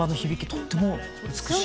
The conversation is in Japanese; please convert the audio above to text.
とても美しい。